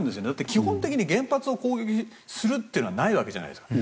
基本的に原発を攻撃するというのはないわけじゃないですか。